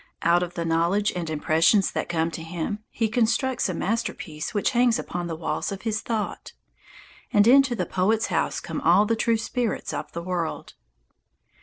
Out of the knowledge and impressions that come to him he constructs a masterpiece which hangs upon the walls of his thought. And into the poet's house come all the true spirits of the world.